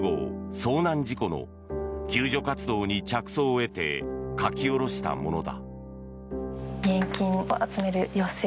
遭難事故の救助活動に着想を得て書き下ろしたものだ。